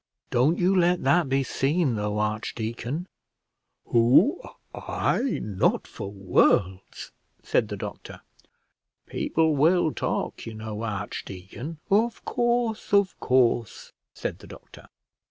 "Don't you let that be seen, though, archdeacon." "Who? I! not for worlds," said the doctor. "People will talk, you know, archdeacon." "Of course, of course," said the doctor.